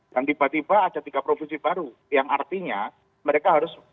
dan tiba tiba ada tiga provinsi baru yang artinya mereka harus